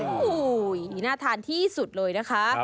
โอ้โหนี่น่าทานที่สุดเลยนะคะ